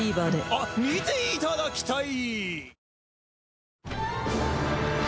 あっ見ていただきたい！